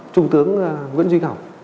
trung tướng nguyễn duy ngọc